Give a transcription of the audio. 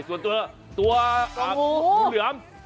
ส่วนเจ้าแหลม